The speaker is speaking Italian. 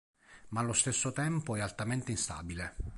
Ma allo stesso tempo è altamente instabile.